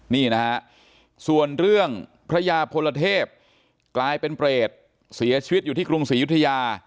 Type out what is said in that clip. นี่นะฮะส่วนเรื่องพระยาพลเทพกลายเป็นเปรตเสียชีวิตอยู่ที่กรุงศรียุธยา